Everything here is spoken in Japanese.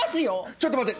⁉ちょっと待て。